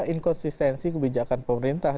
inkonsistensi kebijakan pemerintah